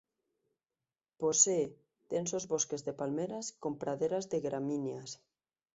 Posee densos bosques de palmeras, con praderas de gramíneas.